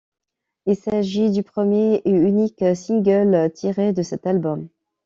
Il s'agit du premier et unique single tiré de cet album.